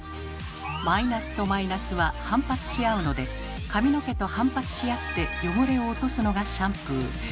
マイナスとマイナスは反発し合うので髪の毛と反発し合って汚れを落とすのがシャンプー。